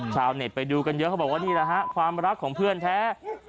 เน็ตไปดูกันเยอะเขาบอกว่านี่แหละฮะความรักของเพื่อนแท้